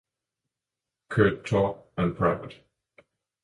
Kurt Taub and Pvt.